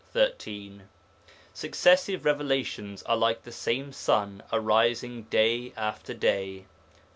13); successive revelations are like the same sun arising day after day (iv.